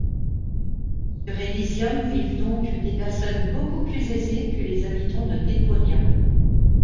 Sur Elysium vivent donc des personnes beaucoup plus aisées que les habitants de Deponia.